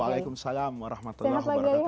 waalaikumsalam warahmatullahi wabarakatuh